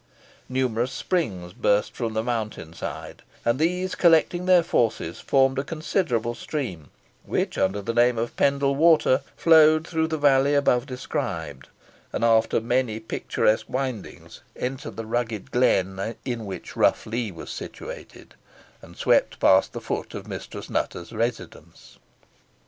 Numerous springs burst from the mountain side, and these collecting their forces, formed a considerable stream, which, under the name of Pendle Water, flowed through the valley above described, and, after many picturesque windings, entered the rugged glen in which Rough Lee was situated, and swept past the foot of Mistress Nutter's residence.